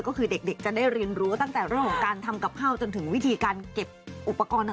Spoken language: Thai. ก็คือเด็กจะได้เรียนรู้ตั้งแต่เรื่องของการทำกับข้าวจนถึงวิธีการเก็บอุปกรณ์ต่าง